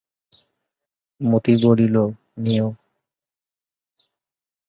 মতি বলিল, নিও।